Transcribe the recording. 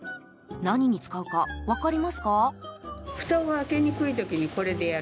何に使うか、分かりますか？